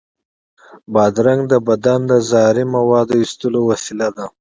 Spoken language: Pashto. بادرنګ د بدن د زهري موادو د ایستلو وسیله ده.